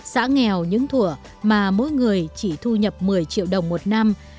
xã nghèo những thủa mà mỗi người chỉ thu nhập một mươi triệu đồng một năm